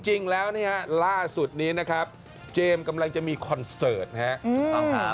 จริงแล้วเนี่ยล่าสุดนี้นะครับเจมส์กำลังจะมีคอนเสิร์ตนะครับ